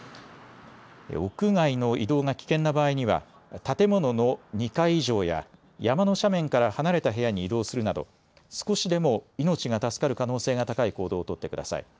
屋外の移動が危険な場合には建物の２階以上や山の斜面から離れた部屋に移動するなど少しでも命が助かる可能性が高い行動を取ってください。